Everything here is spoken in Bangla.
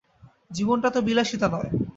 জীবনটা তো বিলাসিতা নয়।